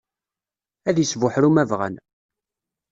Ad isbuḥru ma bɣan.